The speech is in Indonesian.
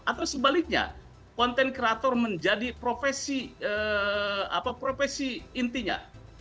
atau sebaliknya content creator menjadi profesi intinya